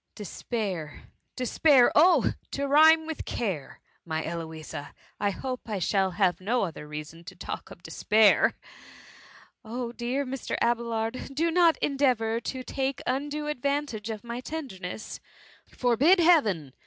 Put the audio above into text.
''" Despair — despair : oh I to rhyme with care, my Eloisa. I hope I shall have, no other reason to talk of despair.*" VOL. I. I 170 THE MUMMT. ^ Ob dear, Mr. Abelard, do not endeavour to take undue advantage of my tenderness.'*^ " Forbtd) Heaven